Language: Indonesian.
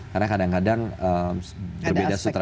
karena kadang kadang berbeda sutradara